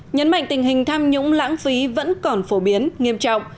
nhấn mạnh tình hình tham nhũng lãng phí vẫn còn phổ biến nghiêm trọng